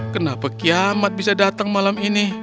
kenapa kiamat bisa datang malam ini